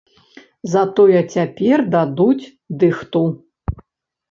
Затое цяпер дадуць дыхту!